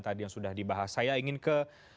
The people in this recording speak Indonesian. tadi yang sudah dibahas saya ingin ke